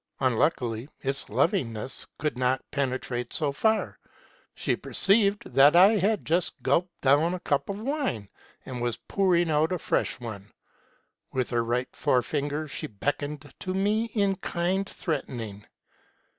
Unluckily, its lovingness could not penetrate so far. She perceived that I had just gulped down a cup of wine, and was pouring out a fresh one. With her right forefinger she beckoned to me in kind threat ening.